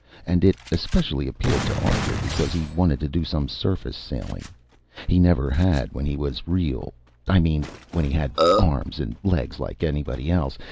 And it especially appealed to Arthur because he wanted to do some surface sailing. He never had when he was real I mean when he had arms and legs like anybody else.